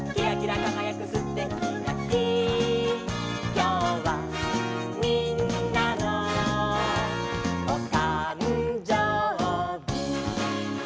「きょうはみんなのおたんじょうび」